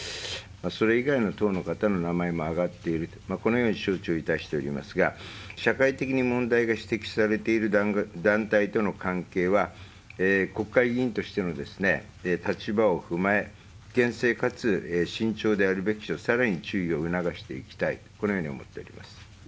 それ以外の党の方の名前も挙がっている、このように承知をいたしておりますが、社会的に問題が指摘されている団体との関係は、国会議員としての立場を踏まえ、厳正かつ慎重であるべきと、さらに注意を促していきたい、このように思っております。